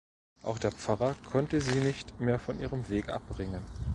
Auch der Pfarrer konnte sie nicht mehr von ihrem Weg abbringen.